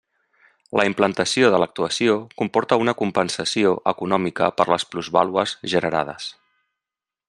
La implantació de l'actuació comporta una compensació econòmica per les plusvàlues generades.